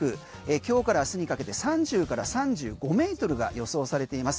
今日から明日にかけて３０から３５ｍが予想されています。